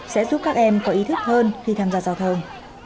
sẽ giúp các em có ý thức hơn khi tham gia giao thông